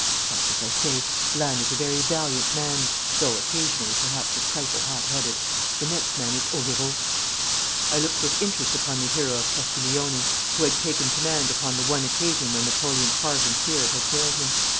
But, as I say, Lannes is a very valiant man, though, occasionally, perhaps, a trifle hot headed. The next man is Auguereau.' I looked with interest upon the hero of Castiglione, who had taken command upon the one occasion when Napoleon's heart and spirit had failed him.